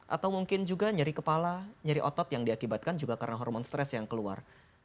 atau mungkin juga nyeri kepala nyeri otot yang diakibatkan juga karena hormon stres yang keluar